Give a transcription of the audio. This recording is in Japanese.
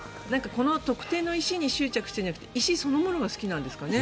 この特定の石に執着しているんじゃなくて石そのものが好きなんですかね？